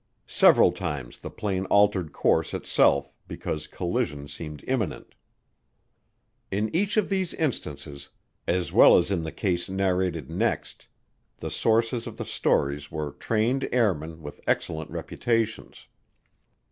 Several times the plane altered course itself because collision seemed imminent. In each of these instances, as well as in the case narrated next, the sources of the stories were trained airmen with excellent reputations.